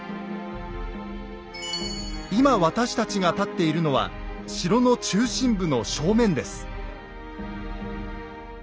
今私たちが立っているのは城の中心部の正面です。